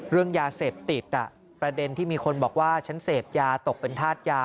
เรื่องยาเสพติดประเด็นที่มีคนบอกว่าฉันเสพยาตกเป็นธาตุยา